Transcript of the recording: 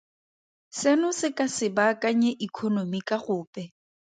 Seno se ka se baakanye ikonomi ka gope.